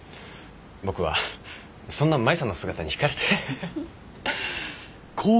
僕はそんな舞さんの姿に引かれて。